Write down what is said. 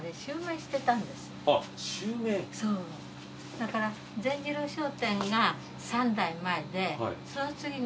だから善次郎商店が３代前でその次の。